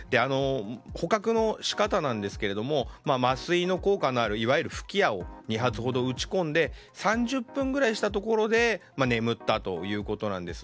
捕獲の仕方なんですが麻酔の効果のあるいわゆる吹き矢を２発ほど撃ち込んで３０分くらいしたところで眠ったということなんです。